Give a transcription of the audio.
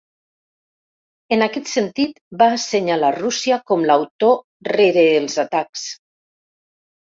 En aquest sentit, va assenyalar Rússia com l’autor rere els atacs.